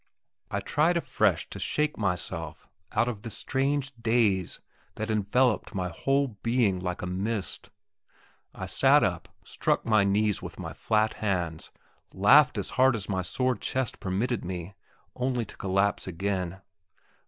I tried afresh to shake myself out of this strange daze that enveloped my whole being like a mist. I sat up, struck my knees with my flat hands, laughed as hard as my sore chest permitted me only to collapse again.